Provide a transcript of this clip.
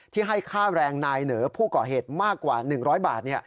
ให้ค่าแรงนายเหนอผู้ก่อเหตุมากกว่า๑๐๐บาท